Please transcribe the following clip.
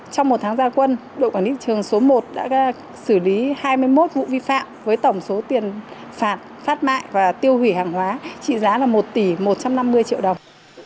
trong một tháng gia quân đội quản lý thị trường số một đã xử lý hai mươi một vụ vi phạm với tổng số tiền phạt phát mại và tiêu hủy hàng hóa trị giá là một tỷ một trăm năm mươi triệu đồng